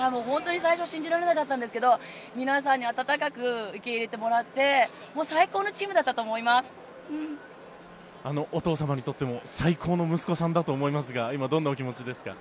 最初信じられなかったんですが皆さんに温かく受け入れてもらってお父様にとっても最高の息子さんだと思いますが今、どんなお気持ちですか？